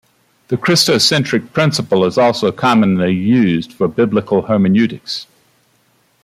The christocentric principle is also commonly used for biblical hermeneutics.